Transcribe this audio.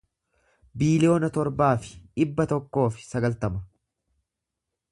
biiliyoona torbaa fi dhibba tokkoo fi sagaltama